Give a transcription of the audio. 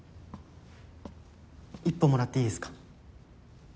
１本もらっていいですか？